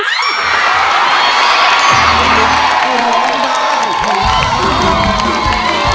ร้องได้